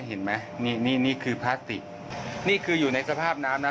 เป็นไหมฮ่านี้นี่นี่พลาสตินิธอี่อยู่ในสภาพน้ำนับ